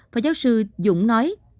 phó giáo sư dũng nói